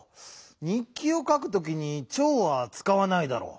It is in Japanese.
にっきをかくときに「ちょう」はつかわないだろう。